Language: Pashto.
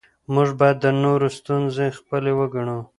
موږ باید د نورو ستونزې خپلې وګڼو